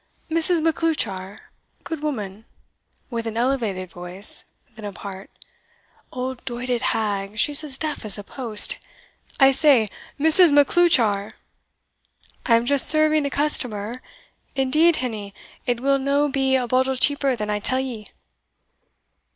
"Mrs. Macleuchar, Good woman" (with an elevated voice) then apart, "Old doited hag, she's as deaf as a post I say, Mrs. Macleuchar!" "I am just serving a customer. Indeed, hinny, it will no be a bodle cheaper than I tell ye."